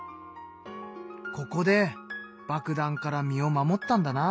ここで爆弾から身を守ったんだな。